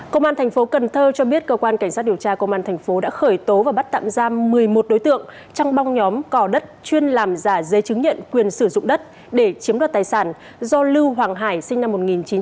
công an thành phố cần thơ cho biết cơ quan cảnh sát điều tra công an thành phố đã khởi tố và bắt tạm giam một mươi một đối tượng trong băng nhóm cò đất chuyên làm giả giấy chứng nhận quyền sử dụng đất để chiếm đoạt tài sản do lưu hoàng hải sinh năm một nghìn chín trăm tám mươi